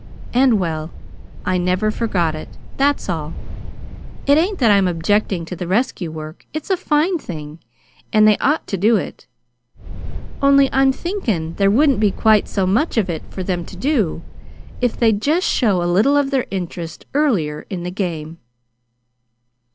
And well, I never forgot it. That's all. It ain't that I'm objectin' to the rescue work it's a fine thing, and they ought to do it. Only I'm thinkin' there wouldn't be quite so much of it for them to do if they'd just show a little of their interest earlier in the game."